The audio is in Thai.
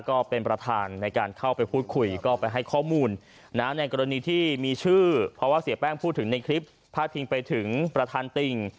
ก็เป็นประธานในการเข้าไปพูดคุยก็ไปให้ข้อมูลนะในกรณีที่มีชื่อเพราะว่าเสียแป้งพูดถึงในคลิปพาดพิงไปถึงประธานติ่ง